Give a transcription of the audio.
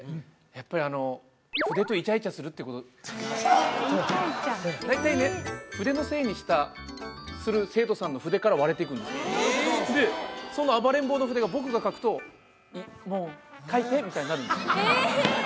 やっぱりあのイチャイチャ大体ね筆のせいにしたする生徒さんの筆から割れていくんですでその暴れん坊の筆が僕が書くと「もう書いて！」みたいになるんですよええ！